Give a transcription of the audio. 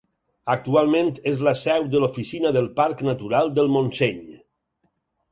Actualment és la seu de l'Oficina del Parc Natural del Montseny.